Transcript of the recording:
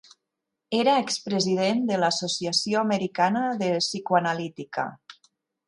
Era expresident de l'Associació Americana de Psicoanalítica.